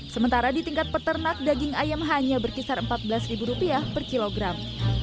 sementara di tingkat peternak daging ayam hanya berkisar rp empat belas per kilogram